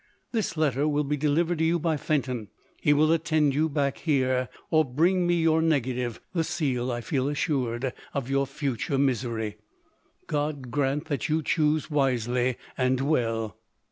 This letter will be delivered to vou by Fenton : he will attend vou back here, or bring me your negative— tin seal, I feel assured, of your fu ture misery. God grant that you choose wisely and well